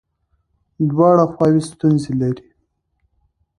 دواړه خواوې ستونزې لري.